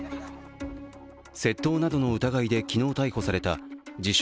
窃盗などの疑いで昨日逮捕された自称